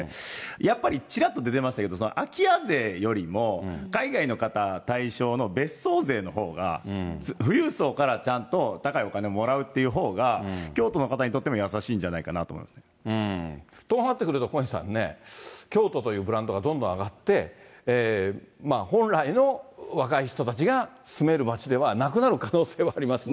やっぱり、ちらっと出てましたけど、空き家税よりも海外の方対象の別荘税のほうが富裕層からちゃんと高いお金をもらうっていうほうが、京都の方にとっても優しいんじゃとなってくると、小西さんね、京都というブランドがどんどん上がって、本来の若い人たちが住める街ではなくなる可能性はありますね。